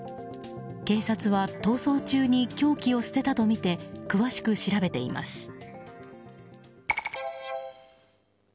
警察は逃走中に凶器を捨てたとみて詳しく調べています。